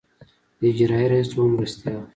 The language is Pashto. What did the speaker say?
د اجرائیه رییس دوهم مرستیال.